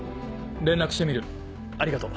連絡してみるありがとう。